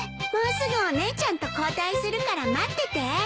もうすぐお姉ちゃんと交代するから待ってて。